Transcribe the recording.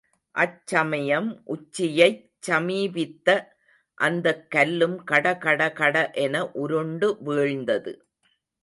அச்சமயம் உச்சியைச் சமீபித்த அந்தக் கல்லும் கடகடகட என உருண்டு வீழ்ந்தது.